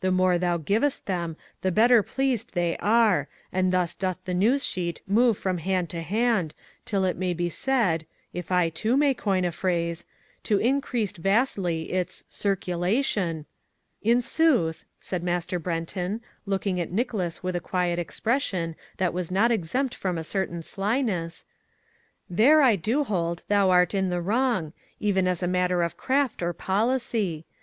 The more thou givest them, the better pleased they are and thus doth the news sheet move from hand to hand till it may be said (if I too may coin a phrase) to increase vastly its 'circulation' " "In sooth," said Master Brenton, looking at Nicholas with a quiet expression that was not exempt from a certain slyness, "there I do hold thou art in the wrong, even as a matter of craft or policie.